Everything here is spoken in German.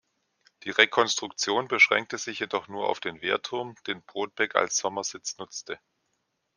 Die Rekonstruktion beschränkte sich jedoch nur auf den Wehrturm, den Brodbeck als Sommersitz nutzte.